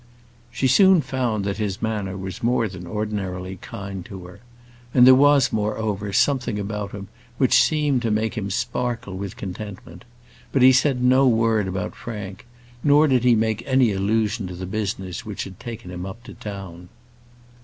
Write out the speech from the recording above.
She soon found that his manner was more than ordinarily kind to her; and there was moreover something about him which seemed to make him sparkle with contentment, but he said no word about Frank, nor did he make any allusion to the business which had taken him up to town.